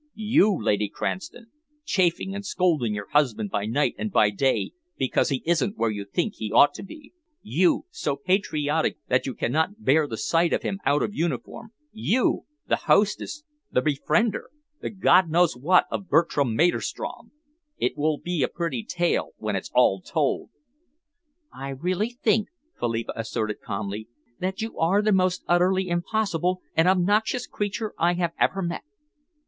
You, Lady Cranston, chafing and scolding your husband by night and by day because he isn't where you think he ought to be; you, so patriotic that you cannot bear the sight of him out of uniform; you the hostess, the befriender, the God knows what of Bertram Maderstrom! It will be a pretty tale when it's all told!" "I really think," Philippa asserted calmly, "that you are the most utterly impossible and obnoxious creature I have ever met."